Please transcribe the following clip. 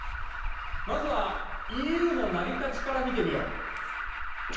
まずはＥＵの成り立ちから見てみよう。